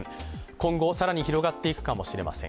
今後更に広がっていくかもしれません、